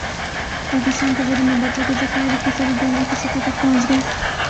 پاکستان کے زرمبادلہ کے ذخائر اکیس ارب ڈالر کی سطح تک پہنچ گئے